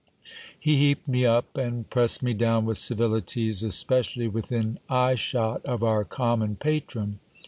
He heaped me up and pressed me down with civilities, especially within eyeshot of our common patron.